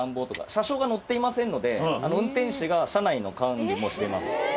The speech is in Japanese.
車掌が乗っていませんので、運転士が車内の管理もしています。